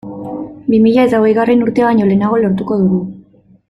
Bi mila eta hogeigarren urtea baino lehenago lortuko dugu.